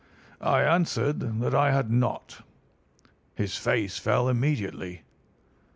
"I answered that I had not. "His face fell immediately.